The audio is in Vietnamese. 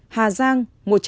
hà giang một trăm tám mươi bốn